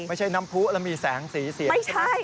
ไม่ใช่น้ำผู้แล้วมีแสงสีเสียงใช่ไหม